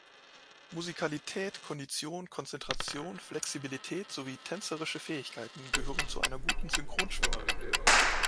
Musikalität, Kondition, Konzentration, Flexibilität sowie tänzerische Fähigkeiten gehören zu einer guten Synchronschwimmerin.